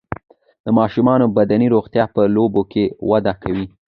د ماشومانو بدني روغتیا په لوبو کې وده کوي.